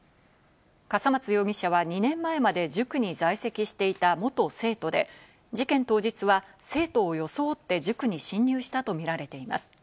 笠松容疑者は２年前まで塾に在籍していた元生徒で、事件当日は生徒を装って塾に侵入したとみられています。